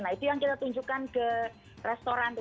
nah itu yang kita tunjukkan ke restoran tuh